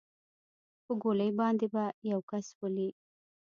په ګولۍ باندې به يو كس ولې.